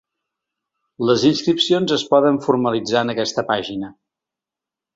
Les inscripcions es poden formalitzar en aquesta pàgina.